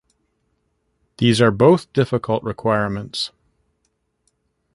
These are both difficult requirements.